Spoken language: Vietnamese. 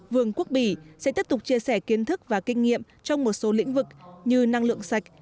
vương quốc bỉ sẽ tiếp tục chia sẻ kiến thức và kinh nghiệm trong một số lĩnh vực như năng lượng sạch